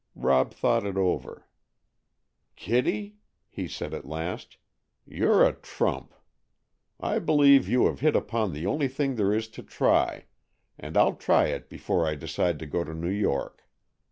Rob thought it over. "Kitty," he said at last, "you're a trump. I believe you have hit upon the only thing there is to try, and I'll try it before I decide to go to New York.